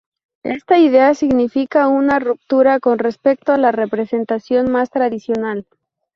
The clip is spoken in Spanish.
Esta idea significa una ruptura con respecto a la representación más tradicional.